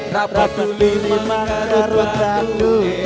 rapat pilih mangaru batu